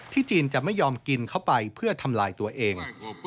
จีนจะไม่ยอมกินเข้าไปเพื่อทำลายตัวเอง